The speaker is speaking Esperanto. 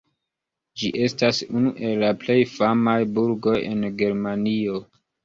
Ĝi estas unu el la plej famaj burgoj en Germanio.